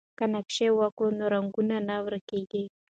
که نقاشي وکړو نو رنګونه نه ورکيږي.